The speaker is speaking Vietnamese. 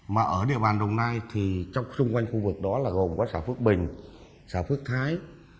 mà ở địa bàn đồng nai thì trong xung quanh khu vực đó là gồm có xã phước bình xã phước thái